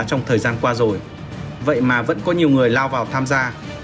trong thời gian qua rồi vậy mà vẫn có nhiều người lao vào tham gia